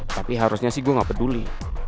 tapi harusnya sih gue gak peduli